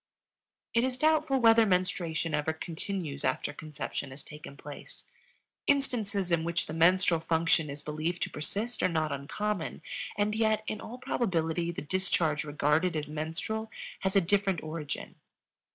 It is doubtful whether menstruation ever continues after conception has taken place. Instances in which the menstrual function is believed to persist are not uncommon, and yet in all probability the discharge regarded as menstrual has a different origin.